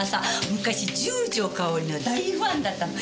昔十条かおりの大ファンだったの。